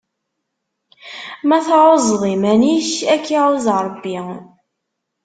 Ma tɛuzzeḍ iman-ik, ad k-iɛuzz Ṛebbi.